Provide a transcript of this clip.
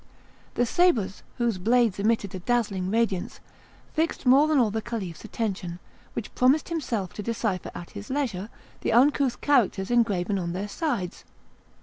The sabres, whose blades emitted a dazzling radiance, fixed more than all the Caliph's attention, who promised himself to decipher at his leisure the uncouth characters engraven on their sides.